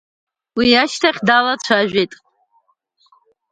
Уи ашьҭахь далацәажәеит…